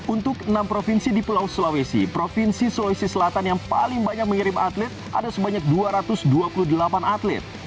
untuk enam provinsi di pulau sulawesi provinsi sulawesi selatan yang paling banyak mengirim atlet ada sebanyak dua ratus dua puluh delapan atlet